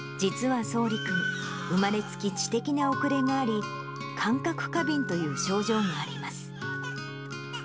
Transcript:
実はそうり君、生まれつき知的な遅れがあり、感覚過敏という症状があります。